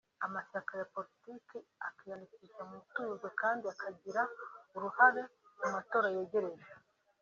amashyaka ya politiki akiyandikisha mu mutuzo kandi akazagira uruhare mu matora yegereje